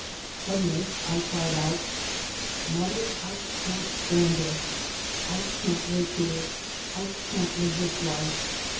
Suddenly I cried out, " Mother, I can't stand this. I can't live here. I can't live this life.